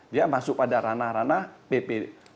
dia masuk pada rana rana pp dua puluh delapan